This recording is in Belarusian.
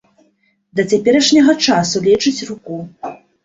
Да цяперашняга часу лечыць руку.